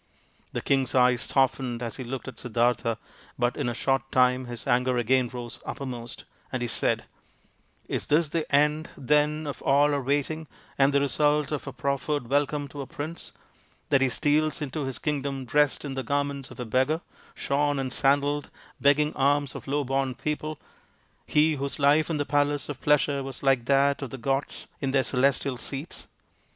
The king's eyes softened as he looked at Siddartha, but in a short time his anger again rose uppermost, and he said, " Is this the end, then, of all our waiting and the result of our proffered welcome to a prince, that he steals into his kingdom dressed in the garments of a beggar, shorn and sandalled, begging alms of low born people he whose life in the palace of pleasure was like that of the gods in their celestial seats